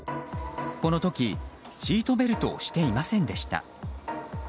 この時、シートベルトをしていませんでした。